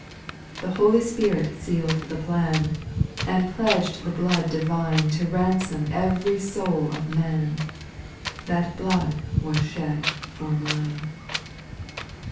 4. The Holy Spirit seaVd the plan, And pledged the blood divine To ransom every soul of man ; That blood was shed for mine.